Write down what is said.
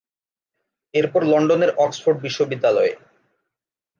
এরপর লন্ডনের অক্সফোর্ড বিশ্ববিদ্যালয়ে।